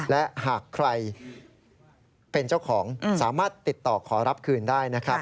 และหากใครเป็นเจ้าของสามารถติดต่อขอรับคืนได้นะครับ